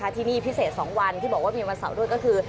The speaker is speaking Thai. ที่นี่พิเศษ๒วันที่บอกว่ามีวันเสาร์ด้วยก็คือ